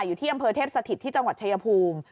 เมืองเผอเทพสถิตที่จังหวัดชายภูมิ